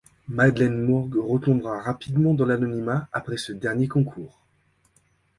Madeleine Mourgues retombera rapidement dans l'anonymat après ce dernier concours.